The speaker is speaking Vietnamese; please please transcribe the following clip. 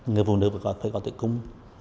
người phụ nữ phải có tử cung